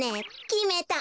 きめた。